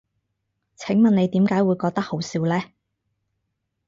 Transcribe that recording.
請問你點解會覺得好笑呢？